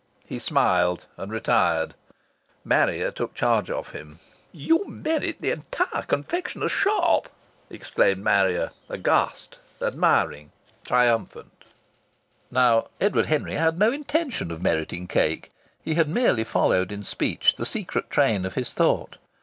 He smiled and retired. Marrier took charge of him. "You merit the entire confectioner's shop!" exclaimed Marrier, aghast, admiring, triumphant. Now Edward Henry had had no intention of meriting cake. He had merely followed in speech the secret train of his thought.